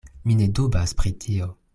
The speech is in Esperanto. Mi ne dubas pri tio.